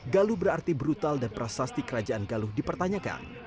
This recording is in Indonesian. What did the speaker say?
galu berarti brutal dan prasasti kerajaan galuh dipertanyakan